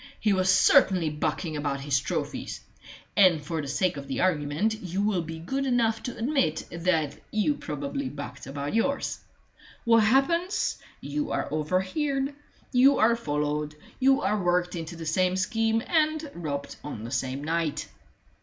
He was certainly bucking about his trophies, and for the sake of the argument you will be good enough to admit that you probably bucked about yours. What happens? You are overheard; you are followed; you are worked into the same scheme, and robbed on the same night."